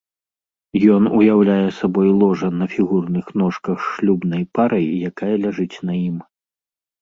Ён уяўляе сабой ложа на фігурных ножках з шлюбнай парай, якая ляжыць на ім.